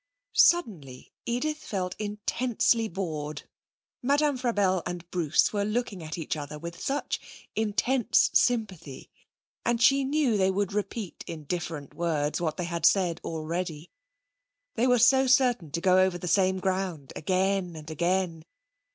Suddenly Edith felt intensely bored. Madame Frabelle and Bruce were looking at each other with such intense sympathy, and she knew they would repeat in different words what they had said already. They were so certain to go over the same ground again and again!...